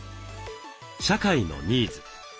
「社会のニーズ」。